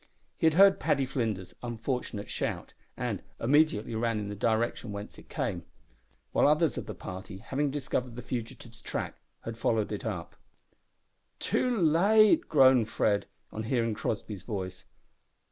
He had heard Paddy Flinders's unfortunate shout, and immediately ran in the direction whence it came; while others of the party, having discovered the fugitive's track, had followed it up. "Too late," groaned Fred on hearing Crossby's voice.